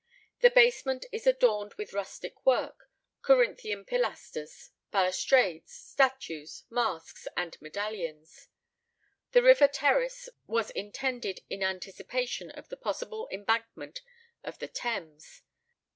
The basement is adorned with rustic work, Corinthian pilasters, balustrades, statues, masks, and medallions. The river terrace was intended in anticipation of the possible embankment of the Thames.